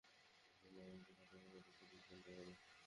এখন মাথাটা কেটে ফেলতে হবে।